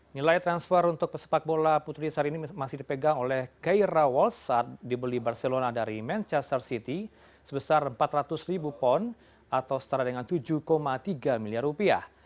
nilai transfer untuk pesepak bola putri saat ini masih dipegang oleh kaira wallsh saat dibeli barcelona dari manchester city sebesar empat ratus ribu pon atau setara dengan tujuh tiga miliar rupiah